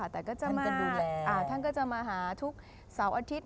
ท่านก็จะมาหาทุกสาวอาทิตย์